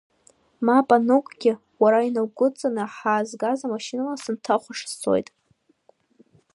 Мап анукгьы, уара инаугәыдҵаны, ҳаазгаз амашьынала сынҭахәаша сцоит.